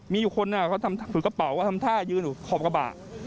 มีอยู่คนเขาทำถือกระเป๋าทำท่ายืนอยู่ขอบกระบะ